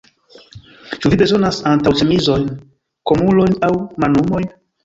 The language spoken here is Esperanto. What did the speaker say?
Ĉu vi bezonas antaŭĉemizojn, kolumojn aŭ manumojn?